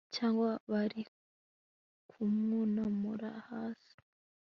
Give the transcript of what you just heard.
cyangwa bari kumwunamura hasi